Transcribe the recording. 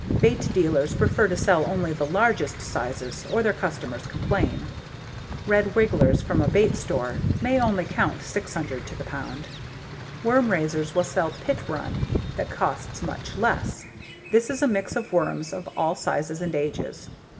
Bait dealers prefer to sell only the largest sizes or their customers complain. "Red wigglers" from a bait store may only count 600 to the pound. Worm raisers will sell "pit run" that costs much less. This is a mix of worms of all sizes and ages.